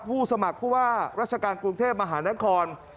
สมัครผู้ว่าราชการกรุงเทพมหานคร